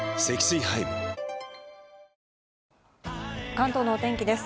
関東のお天気です。